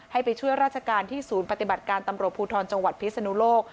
ไปช่วยราชการที่ศูนย์ปฏิบัติการตำรวจภูทรจังหวัดพิศนุโลก